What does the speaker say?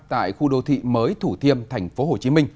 tại khu đô thị mới thủ thiêm tp hcm